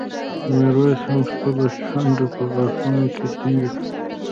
ميرويس خان خپله شونډه په غاښونو کې ټينګه کړه.